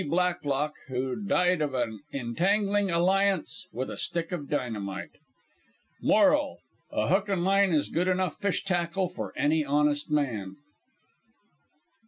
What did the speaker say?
BLACKLOCK, who died of a' entangling alliance with a stick of dynamite. Moral: A hook and line is good enough fish tackle for any honest man.